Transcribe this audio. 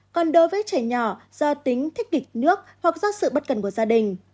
còn đối với trẻ nhỏ do tính thích nước hoặc do sự bất cần của gia đình